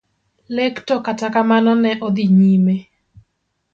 Lek to kata kamano ne odhi nyime.